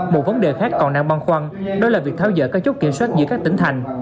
một vấn đề khác còn đang băn khoăn đó là việc tháo dỡ các chốt kiểm soát giữa các tỉnh thành